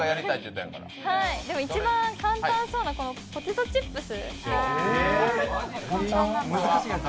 一番簡単そうなポテトチップス。